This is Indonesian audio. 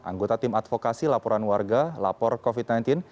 anggota tim advokasi laporan warga lapor covid sembilan belas